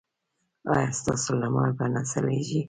ایا ستاسو لمر به نه ځلیږي؟